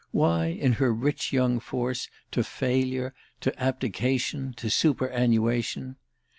Why, in her rich young force, to failure, to abdication to superannuation?"